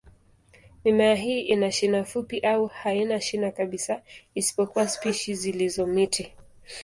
Mimea hii ina shina fupi au haina shina kabisa, isipokuwa spishi zilizo miti.